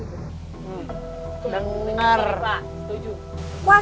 kalau ya ya jangan kita persietan suaranya